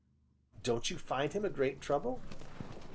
"Don't you find him a great trouble?"